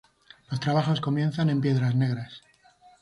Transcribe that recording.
Los trabajos comienzan en Piedras Negras.